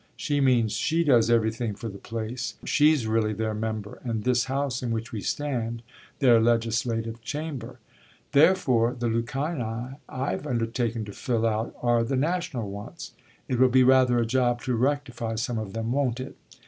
She means she does everything for the place; she's really their member and this house in which we stand their legislative chamber. Therefore the lacunae I've undertaken to fill out are the national wants. It will be rather a job to rectify some of them, won't it?